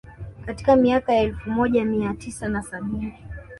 Katika miaka ya elfu moja mia tisa na sabini